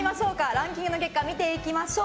ランキングの結果見ていきましょう。